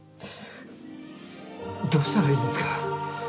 どうしたらいいですか？